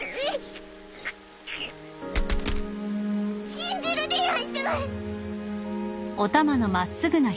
信じるでやんす！